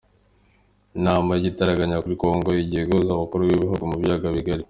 Inama y’igitaraganya kuri Congo igiye guhuza abakuru b’ibihugu mu Biyaga Bigari